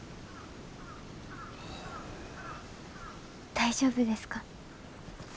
大丈夫ですか？